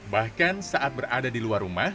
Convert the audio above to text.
bahkan saat berada di luar rumah